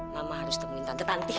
mama harus temuin tante